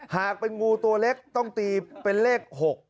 หากเป็นงูตัวเล็กต้องตีเป็นเลข๖